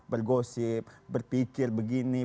bergosip berpikir begini